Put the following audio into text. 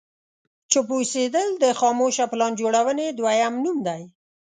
چوپ اوسېدل د خاموشه پلان جوړونې دوهم نوم دی.